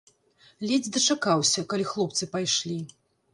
Ледзь дачакаўся, калі хлопцы пайшлі.